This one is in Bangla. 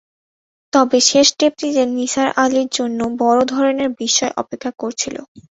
তবে শেষ টেপটিতে নিসার আলির জন্যে বড় ধরনের বিস্ময় অপেক্ষা করছিল।